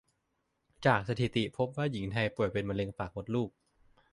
จากสถิติพบว่าหญิงไทยป่วยเป็นมะเร็งปากมดลูก